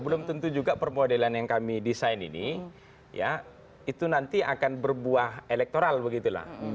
belum tentu juga permodelan yang kami desain ini ya itu nanti akan berbuah elektoral begitulah